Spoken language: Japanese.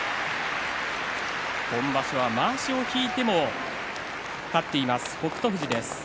今場所はまわしを引いても勝っています、北勝富士です。